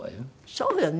そうよね。